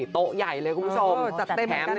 โต๊ะใหญ่เลยคุณผู้ชมจัดเต็มเหมือนกันนะ